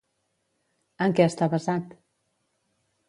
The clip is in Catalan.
En què està basat?